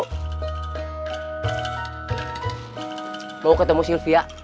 aku harapnya dia tidak pernah memiliki anak tersebut